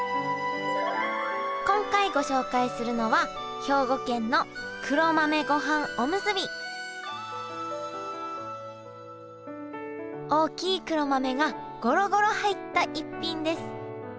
今回ご紹介するのは大きい黒豆がゴロゴロ入った逸品です。